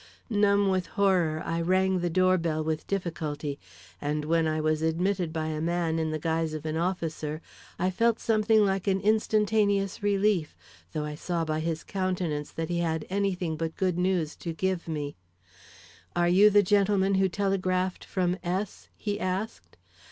Numb with horror, I rang the door bell with difficulty, and when I was admitted by a man in the guise of an officer, I felt something like an instantaneous relief, though I saw by his countenance that he had any thing but good news to give me. "Are you the gentleman who telegraphed from S ?" he asked.